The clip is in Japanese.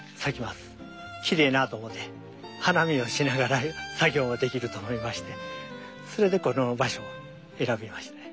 きれいなと思って花見をしながら作業ができると思いましてそれでこの場所を選びましたね。